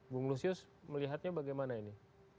bung lusius melihatnya bagaimana ini